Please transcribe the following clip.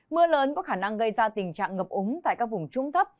mưa lớn có khả năng gây ra tình trạng ngập ống tại các vùng trung thấp